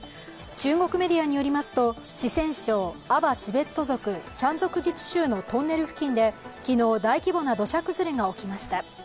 中国メディアによりますと四川省アバ・チベット族・チャン族自治州のトンネル付近で昨日、大規模な土砂崩れが起きました。